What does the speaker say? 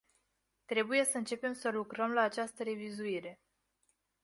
Trebuie să începem să lucrăm la această revizuire.